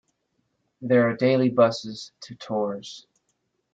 There are daily buses to Tours.